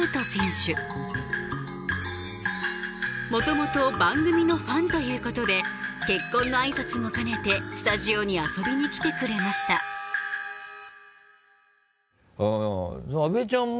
もともと番組のファンということで結婚のあいさつも兼ねてスタジオに遊びに来てくれました阿部ちゃんも？